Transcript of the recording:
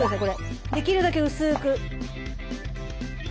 できるだけ薄く。